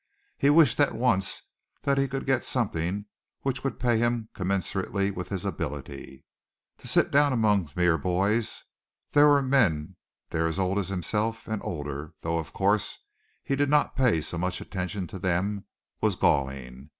He wished at once that he could get something which would pay him commensurately with his ability. To sit down among mere boys there were men there as old as himself and older, though, of course, he did not pay so much attention to them was galling.